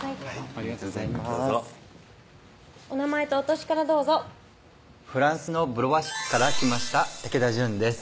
ありがとうございますお名前とお歳からどうぞフランスのブロワ市から来ました竹田純です